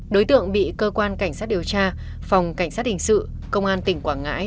đối tượng bị cơ quan cảnh sát điều tra phòng cảnh sát hình sự công an tỉnh quảng ngãi